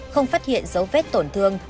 không phát hiện dấu vết tổn thương